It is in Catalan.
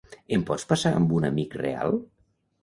Em pots passar amb un amic real?